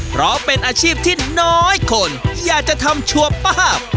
เพราะเป็นอาชีพที่น้อยคนอยากจะทำชัวร์ป้า